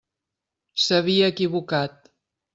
S'havia equivocat.